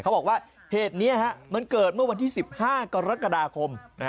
เขาบอกว่าเหตุนี้มันเกิดเมื่อวันที่๑๕กรกฎาคม